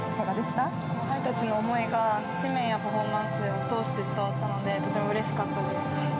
後輩たちの思いが、紙面やパフォーマンスから伝わってきて、とてもうれしかったです。